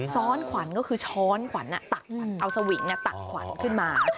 ้อนขวัญก็คือช้อนขวัญตักเอาสวิงตักขวัญขึ้นมา